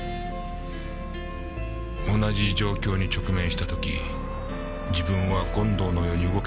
同じ状況に直面した時自分は権藤のように動けるか。